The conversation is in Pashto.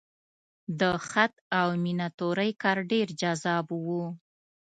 د خط او میناتورۍ کار ډېر جذاب و.